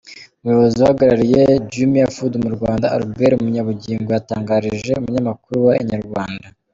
Umuyobozi uhagarariye Jumia Food mu Rwanda, Albert Munyabugingo yatangarije umunyamakuru wa Inyarwanda.